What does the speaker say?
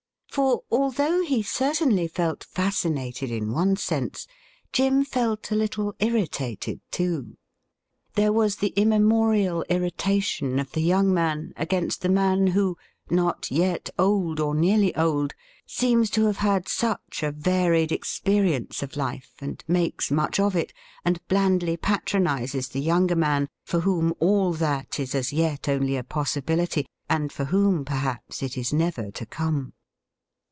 For, although he certainly felt fascinated in one sense, Jim felt a little irritated too. There was the immemorial irritation of the young man against the man who, not yet old or nearly old, seems to have had such a varied experi ence of life, and makes much of it, and blandly patronizes the younger man for whom all that is as yet only a possi bility, and for whom, perhaps, it is never to come.